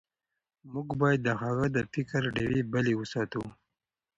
موږ باید د هغه د فکر ډیوې بلې وساتو.